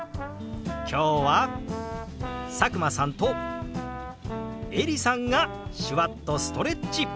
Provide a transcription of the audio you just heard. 今日は佐久間さんとエリさんが手話っとストレッチ！